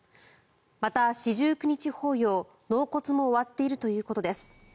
また、四十九日法要、納骨も終わっているということです。